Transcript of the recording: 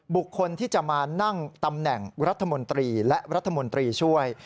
บุคคลที่จะมานั่งตำแหน่งรัฐมนตรีและรัฐมนตรีช่วย